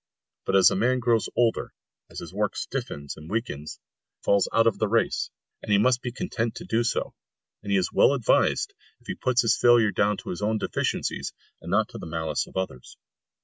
But as a man grows older, as his work stiffens and weakens, he falls out of the race, and he must be content to do so; and he is well advised if he puts his failure down to his own deficiencies, and not to the malice of others.